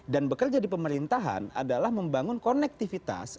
dan bekerja di pemerintahan adalah membangun konektivitas